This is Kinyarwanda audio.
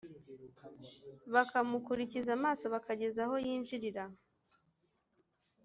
bakamukurikiza amaso bakageza aho yinjirira